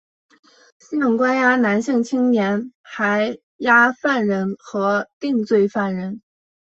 现关押男性年青还押犯人和定罪犯人。